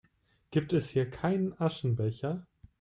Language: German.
Gibt es hier keinen Aschenbecher?